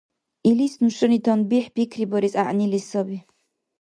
Илис нушани танбихӀ пикрибарес гӀягӀнили саби.